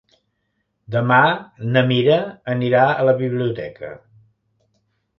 Demà na Mira anirà a la biblioteca.